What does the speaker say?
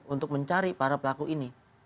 untuk mencari para pelaku ini